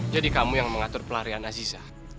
jadi kamu yang mengatur pelarian aziza